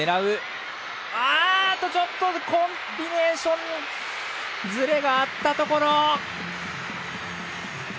あっとちょっとコンビネーションズレがあったところ。